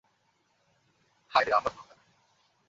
হায়রে আমার খোদা।